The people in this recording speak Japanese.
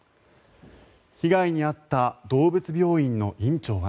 被害に遭った動物病院の院長は。